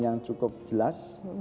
yang cukup jelas